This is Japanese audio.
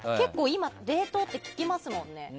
今、冷凍って聞きますもんね。